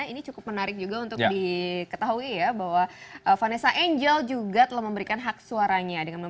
ini cukup menarik juga untuk diketahui ya bahwa vanessa angel juga telah memberikan hak suaranya